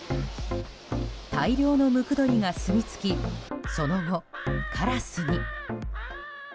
大量のムクドリがすみつきその後、カラスに。